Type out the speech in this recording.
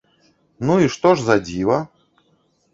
Ну, і што ж за дзіва?